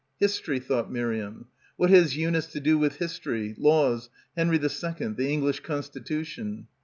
History, thought Miriam. What has Eunice to do with history, laws, Henry II, the English Constitution?